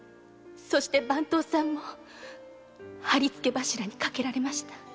そして番頭さんもはりつけ柱にかけられました。